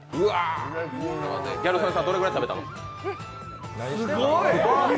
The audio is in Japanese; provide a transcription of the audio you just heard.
ギャル曽根さん、どのくらい食べたの？